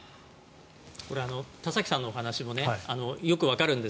田崎さんのお話もよくわかるんです。